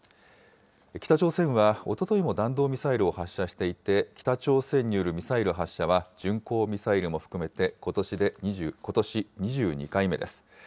北朝鮮はおとといも弾道ミサイルを発射していて、北朝鮮によるミサイル発射は巡航ミサイルも含めてことし２２回目です。